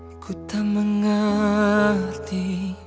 aku tak mengerti